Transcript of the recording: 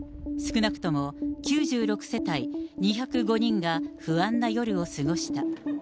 少なくとも９６世帯２０５人が不安な夜を過ごした。